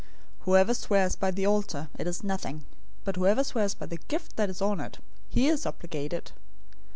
023:018 'Whoever swears by the altar, it is nothing; but whoever swears by the gift that is on it, he is obligated?'